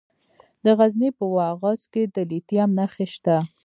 د غزني په واغظ کې د لیتیم نښې شته.